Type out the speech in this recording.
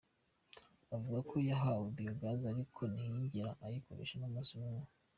Avuga ko yahawe Biogaz ariko ntiyigera ayikoresha numunsi numwe.